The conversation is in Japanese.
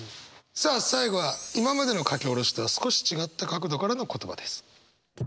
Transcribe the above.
さあ最後は今までの書き下ろしとは少し違った角度からの言葉です。